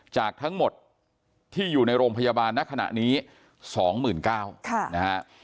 จากทั้งหมดที่อยู่ในโรงพยาบาลณขณะนี้๒๙๐๐นะฮะ